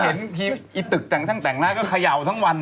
แบบไปเห็นพี่ตึกแต่งและก็เขย่าทั้งวัน